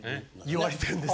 言われてるんです。